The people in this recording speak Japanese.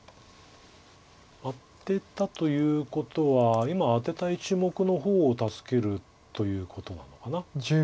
アテたということは今アテた１目の方を助けるということなのかな。